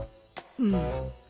うん。